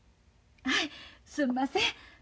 はいすんません。